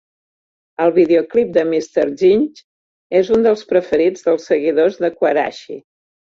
El videoclip de "Mr. Jinx" és un dels preferits dels seguidors de Quarashi.